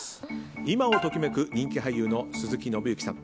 今を時めく人気俳優の鈴木伸之さん。